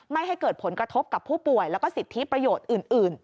ไม่ให้เกิดผลกระทบกับผู้ป่วยแล้วก็สิทธิประโยชน์อื่น